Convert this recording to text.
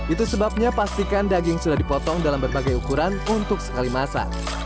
itu sebabnya pastikan daging sudah dipotong dalam berbagai ukuran untuk sekali masak